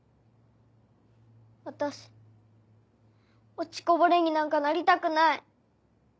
私落ちこぼれになんかなりたくない。